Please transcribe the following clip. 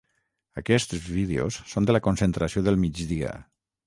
Aquests vídeos són de la concentració del migdia.